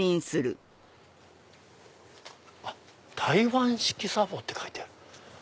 「台灣式茶房」って書いてある。